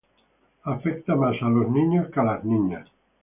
Afecta más a los niños que a las niñas.